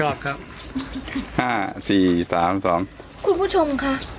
ห้าสี่สามสองคุณผู้ชมคะ